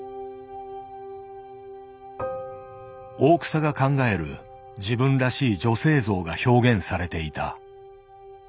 大草が考える自分らしい女性像が表現されていた。